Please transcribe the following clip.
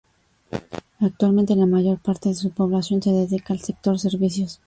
Actualmente la mayor parte de su población se dedica al sector servicios.